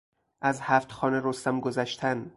از هفت خوان رستم گذشتن